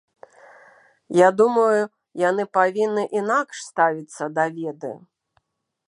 Я думаю, яны павінны інакш ставіцца да веды.